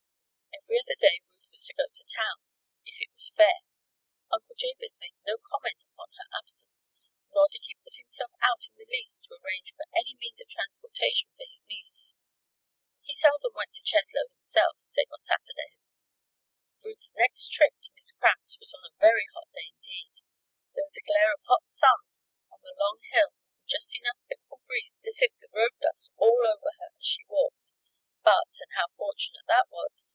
Every other day Ruth was to go to town, if it was fair. Uncle Jabez made no comment upon her absence; nor did he put himself out in the least to arrange for any means of transportation for his niece. He seldom went to Cheslow himself, save on Saturdays. Ruth's next trip to Miss Cramp's was on a very hot day indeed. There was a glare of hot sun on the long hill and just enough fitful breeze to sift the road dust all over her as she walked. But and how fortunate that was!